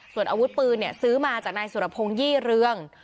ส่วนอาวุธปืนซื้อมาจากนายสุรพงศ์ยี่เรือง